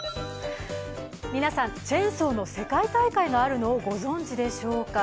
皆さん、チェーンソーの世界大会があるのをご存じでしょうか。